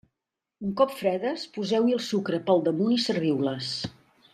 Un cop fredes, poseu-hi el sucre pel damunt i serviu-les.